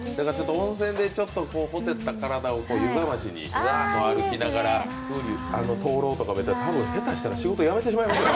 温泉でほてった体を湯冷ましに歩きながら、灯籠とか見たら、下手したら仕事辞めてしまいますね。